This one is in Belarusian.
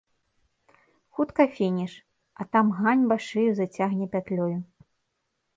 Хутка фініш, а там ганьба шыю зацягне пятлёю.